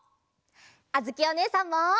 あづきおねえさんも！